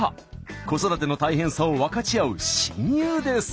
子育ての大変さを分かち合う親友です。